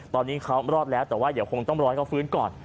ตอนนี้เขารอดแล้วแต่ว่าเดี๋ยวคงต้องรอให้เขาฟื้นก่อน